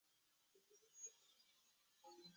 结果见到李奇已经变为一团灰色的不明生物。